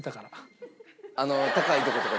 あの高い所とかで？